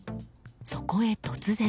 そこへ突然。